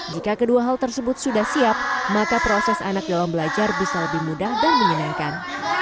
jika kedua hal tersebut sudah siap maka proses anak dalam belajar bisa lebih mudah dan menyenangkan